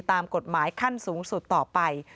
ตามกฎหมายขั้นสูงสุดต่อไป